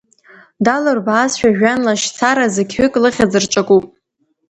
Далырбаазшәа жәҩан лашьцара, зықьҩык лыхьыӡ рҿакуп…